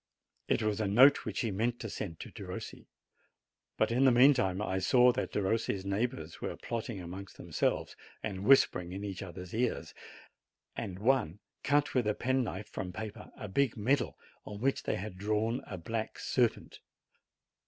It was a note which he meant to send to Perossi. Rut. in the mean time. 1 saw that Perossi's neighbors were plotting among themselves, and whispering in each other's T^ 1 C^ ears, and one cut with a penknife from paper a big medal on which they had drawn a black serpent.